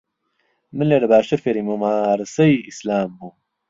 من لێرە باشتر فێری مومارەسەی ئیسلام بووم.